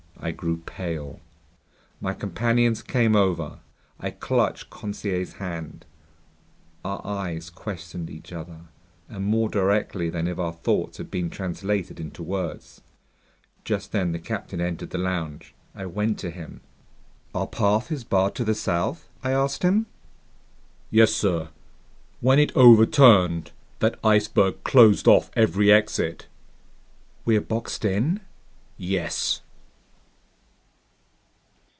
I grew pale. My companions came over. I clutched Conseil's hand. Our eyes questioned each other, and more directly than if our thoughts had been translated into words. Just then the captain entered the lounge. I went to him. "Our path is barred to the south?" I asked him. "Yes, sir. When it overturned, that iceberg closed off every exit." "We're boxed in?" "Yes."